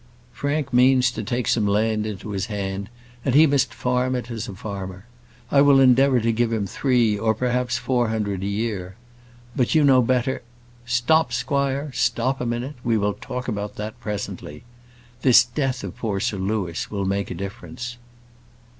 Frank means to take some land into his hand, and he must farm it as a farmer. I will endeavour to give him three, or perhaps four hundred a year. But you know better " "Stop, squire; stop a minute. We will talk about that presently. This death of poor Sir Louis will make a difference."